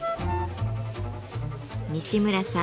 西村さん